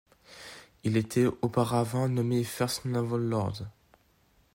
Il était auparavant nommé First Naval Lord.